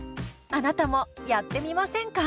あなたもやってみませんか？